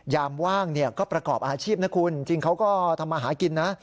ยามว่างก็ประกอบอาชีพนะคุณจริงเขาก็ทำมาหากินนะ